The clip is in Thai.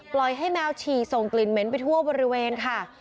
ปล่อยให้แมวฉี่ส่งกลิ่นเหม็นไปทั่วบริเวณค่ะ